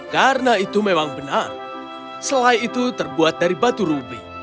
karena itu memang benar selai itu terbuat dari batu rubik